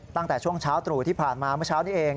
ตั้งแต่ช่วงเช้าตรู่ที่ผ่านมาเมื่อเช้านี้เอง